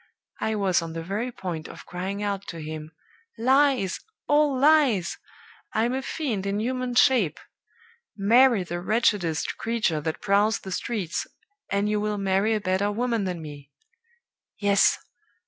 I was on the very point of crying out to him, 'Lies! all lies! I'm a fiend in human shape! Marry the wretchedest creature that prowls the streets, and you will marry a better woman than me!' Yes!